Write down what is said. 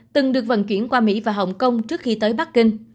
từng được vận chuyển qua mỹ và hồng kông trước khi tới bắc kinh